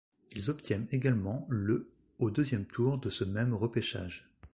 Ils obtiennent également le au deuxième tour de ce même repêchage.